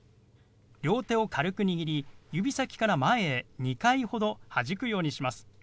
両手を軽く握り指先から前へ２回ほどはじくようにします。